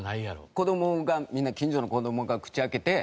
子どもがみんな近所の子どもが口開けて